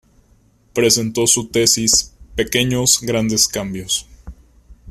Presentó su tesis “"Pequeños grandes cambios.